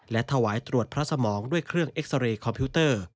และถวายตรวจพระสมองด้วยเครื่องเอ็กซาเรย์คอมพิวเตอร์